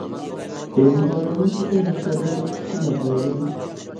بىلىملىك ئادەمنىڭ چوقۇم ياخشى ئادەم بولۇپ كېتىشى ناتايىن.